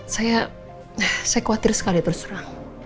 saya kuatir sekali terus terang